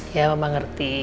ya mama ngerti